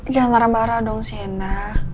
jangan marah marah dong sena